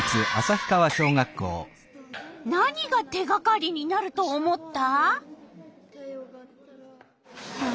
何が手がかりになると思った？